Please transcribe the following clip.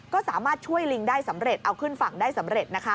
ก็สามารถช่วยลิงได้สำเร็จเอาขึ้นฝั่งได้สำเร็จนะคะ